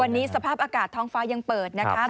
วันนี้สภาพอากาศท้องฟ้ายังเปิดนะคะ